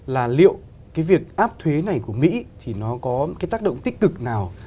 là liệu cái việc áp thuế này của mỹ thì nó có cái tác động tích cực nào